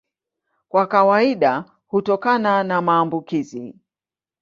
Kwa kawaida hutokana na maambukizi.